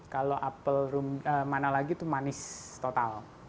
kalau apel mana lagi itu manis total